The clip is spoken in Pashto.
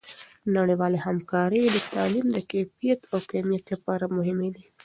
نړیوالې همکارۍ د تعلیم د کیفیت او کمیت لپاره مهمې دي.